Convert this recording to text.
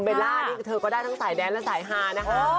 เบลล่าคุณเบลล่าเธอก็ได้ทั้งสายแดนและสายฮานะฮะ